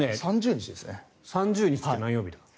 ３０日って何曜日だ？